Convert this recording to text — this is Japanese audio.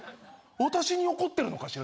私に怒ってるのかしら？